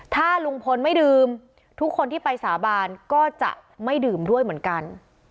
ถ้าลุงพลไม่ดื่มทุกคนที่ไปสาบานก็จะไม่ดื่มด้วยเหมือนกัน